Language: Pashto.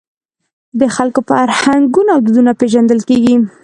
د خلکو فرهنګونه او دودونه پېژندل کېږي.